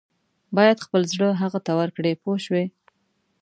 باید خپل زړه هغه ته ورکړې پوه شوې!.